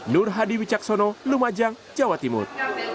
nur hadi wicaksono lumajang jawa timur